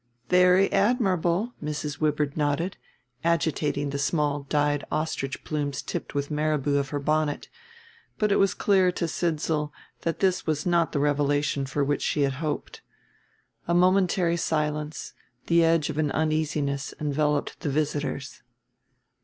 '" "Very admirable," Mrs. Wibird nodded, agitating the small dyed ostrich plumes tipped with marabou of her bonnet; but it was clear to Sidsall that this was not the revelation for which she had hoped. A momentary silence, the edge of an uneasiness, enveloped the visitors.